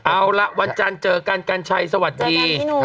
เอาละวันจันทร์เจอกันกัญชัยสวัสดี